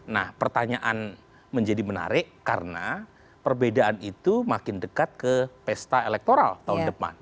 nah pertanyaan menjadi menarik karena perbedaan itu makin dekat ke pesta elektoral tahun depan